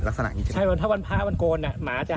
ทางผู้ชมพอเห็นแบบนี้นะทางผู้ชมพอเห็นแบบนี้นะ